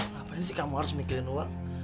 ngapain sih kamu harus mikirin uang